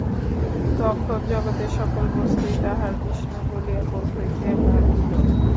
তখন জগতের সকল বস্তুই তাঁহার বিষ্ণু বলিয়া বোধ হইতে লাগিল।